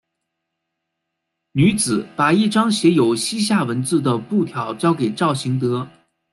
女子把一张写有西夏文字的布条交给赵行德。